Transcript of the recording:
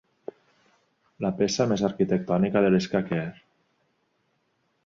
La peça més arquitectònica de l'escaquer.